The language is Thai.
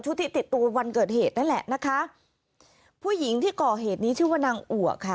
ที่ติดตัววันเกิดเหตุนั่นแหละนะคะผู้หญิงที่ก่อเหตุนี้ชื่อว่านางอัวค่ะ